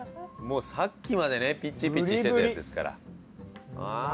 もうさっきまでねピチピチしてたやつですから。